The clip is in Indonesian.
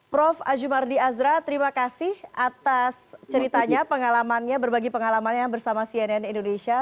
prof azumardi azra terima kasih atas ceritanya pengalamannya berbagi pengalamannya bersama cnn indonesia